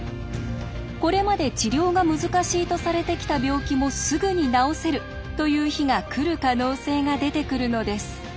これまで治療が難しいとされてきた病気もすぐに治せるという日が来る可能性が出てくるのです。